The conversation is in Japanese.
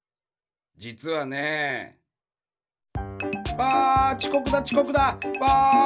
じつはね。わちこくだちこくだ！わ！